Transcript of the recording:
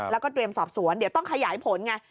แล้วก็เตรียมสอบสวนเดี๋ยวต้องขยายผลไง